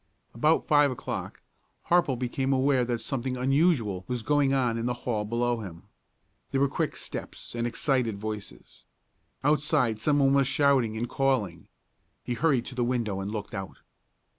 About five o'clock Harple became aware that something unusual was going on in the hall below him. There were quick steps and excited voices. Outside some one was shouting and calling. He hurried to the window and looked out.